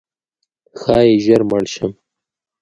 ښایي ژر مړ شم؛